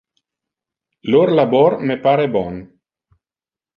Lor labor me pare bon.